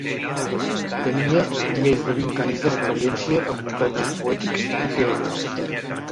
Tenia més de vint anys d’experiència en muntatges poètics i teatrals.